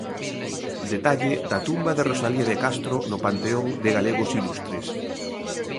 Detalle da tumba de Rosalía de Castro no Panteón de Galegos Ilustres.